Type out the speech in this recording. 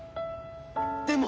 でも！